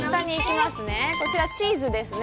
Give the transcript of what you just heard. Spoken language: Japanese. こちらチーズですね